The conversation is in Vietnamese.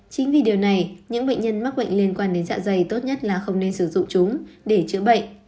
chính vì điều này những bệnh nhân mắc bệnh liên quan đến dạ dày tốt nhất là không nên sử dụng chúng để chữa bệnh